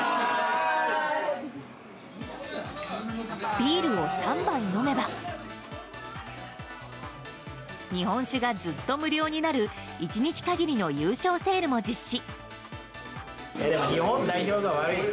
ビールを３杯飲めば日本酒がずっと無料になる１日限りの優勝セールも実施。